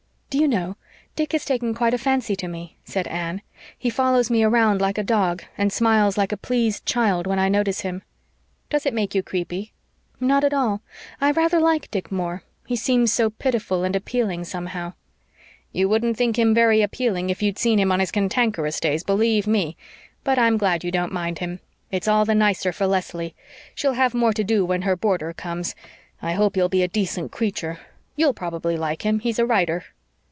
"Do you know, Dick has taken quite a fancy to me," said Anne. "He follows me round like a dog, and smiles like a pleased child when I notice him." "Does it make you creepy?" "Not at all. I rather like poor Dick Moore. He seems so pitiful and appealing, somehow." "You wouldn't think him very appealing if you'd see him on his cantankerous days, believe ME. But I'm glad you don't mind him it's all the nicer for Leslie. She'll have more to do when her boarder comes. I hope he'll be a decent creature. You'll probably like him he's a writer."